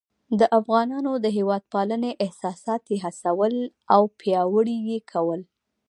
د افغانانو د هیواد پالنې احساسات یې هڅول او پیاوړي یې کول.